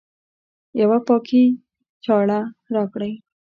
یوه پاکي چاړه راکړئ